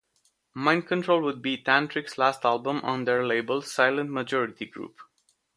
"Mind Control" would be Tantric's last album on their label Silent Majority Group.